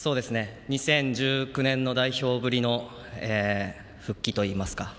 ２０１９年の代表ぶりの復帰といいますか。